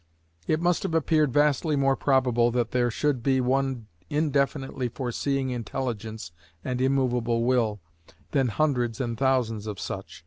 It must have appeared vastly more probable that there should be one indefinitely foreseeing Intelligence and immovable Will, than hundreds and thousands of such.